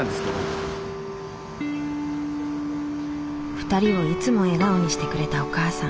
２人をいつも笑顔にしてくれたお母さん。